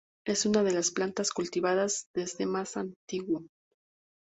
Es una de las plantas cultivadas desde más antiguo.